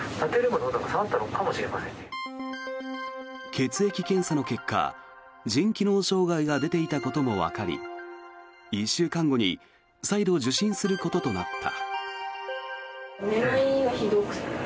血液検査の結果、腎機能障害が出ていたこともわかり１週間後に再度受診することとなった。